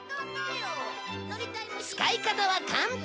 使い方は簡単